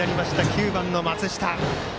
９番の松下。